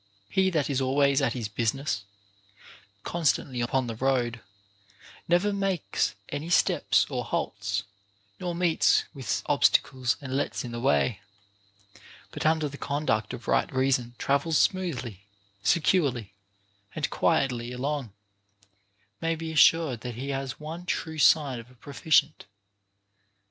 He that is always at his business, constantly upon the road, never makes any steps or halts, nor meets with obstacles and lets in the way, but under the conduct of right reason travels smoothly, securely, and quietly along, may be assured that he has one true sign of a proficient.